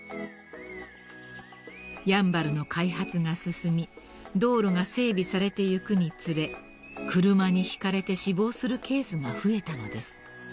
［やんばるの開発が進み道路が整備されていくにつれ車にひかれて死亡するケースが増えたのです］